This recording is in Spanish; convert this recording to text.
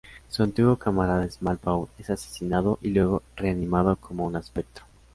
Su antiguo camarada, Small Paul, es asesinado y luego reanimado como un espectro.